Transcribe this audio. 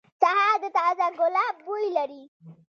سهار د تازه ګلاب بوی لري.